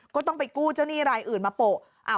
ก็ต้องไปกู้เจ้าหนี้รายอื่นมาโปะ